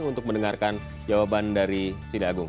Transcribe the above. untuk mendengarkan jawaban dari sidi agung